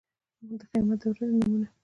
د قيامت د ورځې نومونه